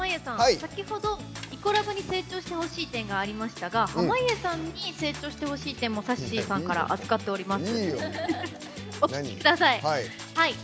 先ほど、イコラブに成長してほしい点がありましたが濱家さんに成長してほしい点もさっしーさんから預かっております。